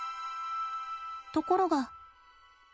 ところが。